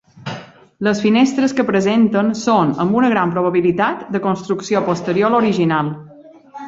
Les finestres que presenten són amb una gran probabilitat de construcció posterior a l'original.